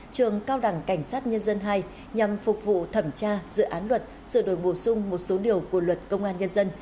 trường cao đẳng cảnh sát nhân dân hai nhằm phục vụ thẩm tra dự án luật sửa đổi bổ sung một số điều của luật công an nhân dân